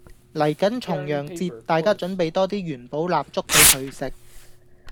嚟緊重陽節大家準備多啲元寶蠟燭俾佢食